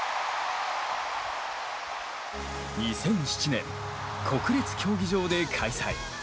２００７年国立競技場で開催。